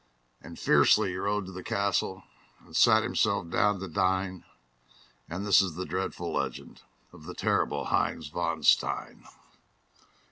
And fiercely he rode to the castle And sat himself down to dine; And this is the dreadful legend Of the terrible Heinz von Stein.